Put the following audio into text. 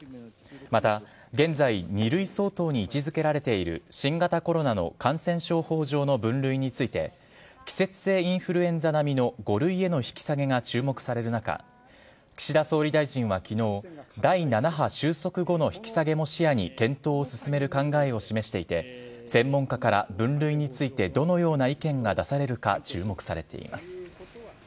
また現在、２類相当に位置づけられている新型コロナの感染症法上の分類について、季節性インフルエンザ並みの５類への引き下げが注目される中、岸田総理大臣はきのう、第７波収束後の引き下げも視野に検討を進める考えを示していて、専門家から分類についてどのような意見が出されるか注目されています。